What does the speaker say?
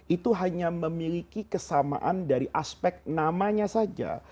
itu hanya memiliki kesamaan dari aspek namanya saja